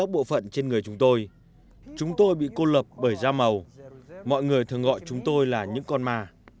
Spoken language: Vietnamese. bởi da màu mọi người thường gọi chúng tôi là những con ma